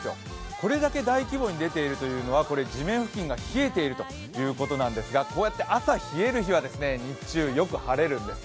これだけ大規模に出ているということは地面付近が冷えているということなんですが、こうやって朝冷える日は日中よく晴れるんです。